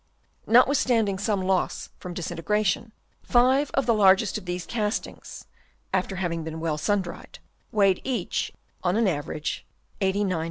Notwithstanding some loss from disintegration, five of the largest of these castings (after having been well sun dried) weighed each on an average 89*5 grammes, Fig.